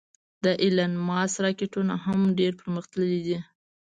د ایلان ماسک راکټونه هم ډېر پرمختللې دې